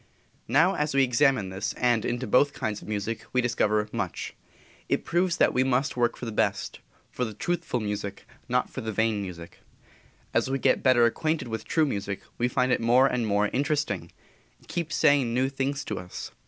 Now, as we examine into this, and into both kinds of music, we discover much. It proves that we must work for the best; for the truthful music, not for the vain music. As we get better acquainted with true music we find it more and more interesting it keeps saying new things to us.